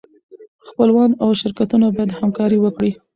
خپلوان او شرکتونه باید همکاري وکړي.